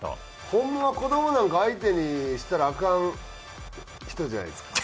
ホンマは子どもなんか相手にしたらアカン人じゃないですか？